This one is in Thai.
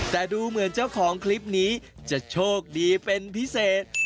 แต่ดูเหมือนเจ้าของคลิปนี้จะโชคดีเป็นพิเศษ